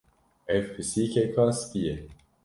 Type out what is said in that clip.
Ev pisîkeka spî ye.